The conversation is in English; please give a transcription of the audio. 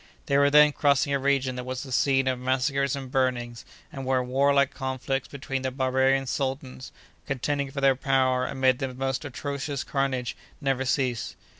They were then crossing a region that was the scene of massacres and burnings, and where warlike conflicts between the barbarian sultans, contending for their power amid the most atrocious carnage, never cease.